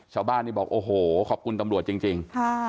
ชาวบ้านนี่บอกโอ้โหขอบคุณตำรวจจริง